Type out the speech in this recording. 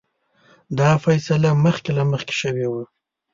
دا فیصله مخکې له مخکې شوې وه.